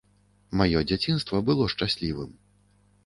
Маё дзяцінства было шчаслівым.